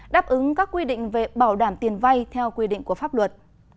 đáp ứng các quy định về bảo đảm tiền vay theo quy định của pháp luật